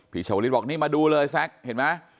ชาวลิศบอกนี่มาดูเลยแซ็กเห็นไหม